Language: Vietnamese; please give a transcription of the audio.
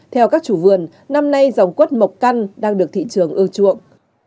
theo các chủ vườn năm nay dòng quất mộc căn đang được thị trường ưa chuộng